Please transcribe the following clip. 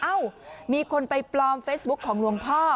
เอ้ามีคนไปปลอมเฟซบุ๊คของหลวงพ่อ